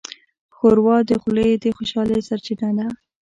ښوروا د خولې د خوشحالۍ سرچینه ده.